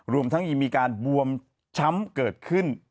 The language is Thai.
รวมทั้งยังมีการบวมช้ำเกิดขึ้น